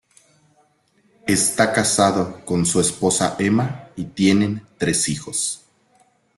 Esta casado con su esposa Emma y tienen tres hijos.